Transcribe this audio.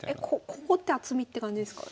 ここって厚みって感じですかね？